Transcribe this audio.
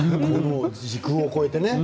時空を超えてね。